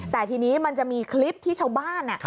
แต่ทีนี้มันจะมีคลิปที่ชาวบ้าน